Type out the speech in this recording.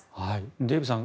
デーブさん